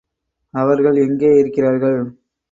அவர்கள் எங்கே இருக்கிறார்கள்?